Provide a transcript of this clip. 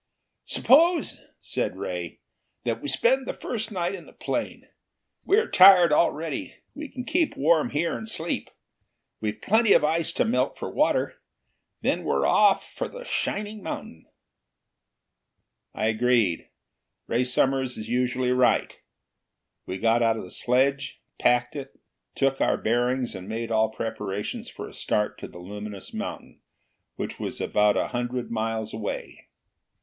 "Suppose," said Ray, "that we spend the first night in the plane. We are tired already. We can keep warm here, and sleep. We've plenty of ice to melt for water. Then we're off for the shining mountain." I agreed: Ray Summers is usually right. We got out the sledge, packed it, took our bearings, and made all preparations for a start to the luminous mountain, which was about a hundred miles away.